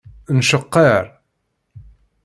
Nceqqer.